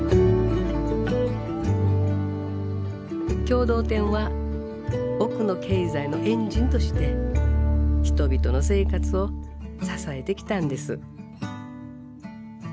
共同店は奥の経済のエンジンとして人々の生活を支えてきたんです。